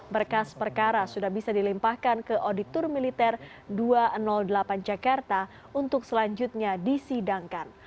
berkas perkara sudah bisa dilimpahkan ke auditor militer dua ratus delapan jakarta untuk selanjutnya disidangkan